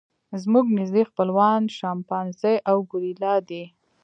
زموږ نږدې خپلوان شامپانزي او ګوریلا دي.